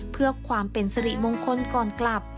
เพื่อความเป็นสริมงคลก่อนกลับ